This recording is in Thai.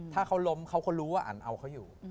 ถ้าเขาล้มเขาก็รู้ว่าอันเอาเขาอยู่